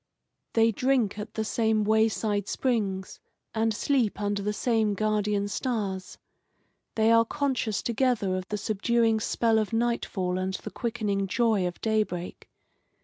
They drink at the same way side springs, and sleep under the same guardian stars. They are conscious together of the subduing spell of nightfall and the quickening joy of daybreak.